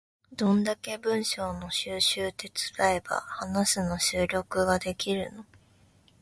どんだけ文章の収集手伝えば話すの録音ができるの？